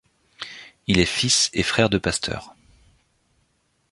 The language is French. Il est fils et frère de pasteurs.